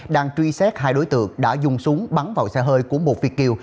đang truy xét hai đối tượng đã dùng súng bắn vào xe hơi của một việt kiều